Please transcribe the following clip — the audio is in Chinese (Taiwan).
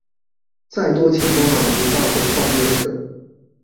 再多錢都買不到的創業課